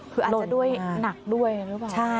คืออาจจะด้วยหนักด้วยหรือเปล่า